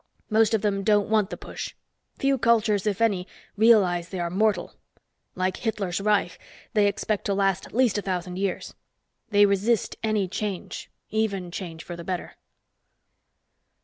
Most of them don't want the push. Few cultures, if any, realize they are mortal; like Hitler's Reich, they expect to last at least a thousand years. They resist any change—even change for the better."